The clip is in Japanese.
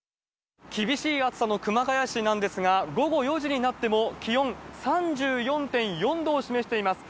厳しい暑さの熊谷市なんですが、午後４時になっても、気温３４．４度を示しています。